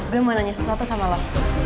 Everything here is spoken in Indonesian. gue mau nanya sesuatu sama lo